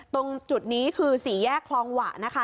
ตรงจุดนี้คือสี่แยกคลองหวะนะคะ